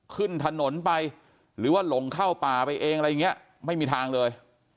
ขึ้นถนนไปหรือว่าหลงเข้าป่าไปเองอะไรอย่างนี้ไม่มีทางเลย